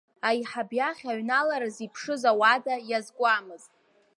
Аиҳаб иахь аҩналаразы иԥшыз ауада иазкуамызт.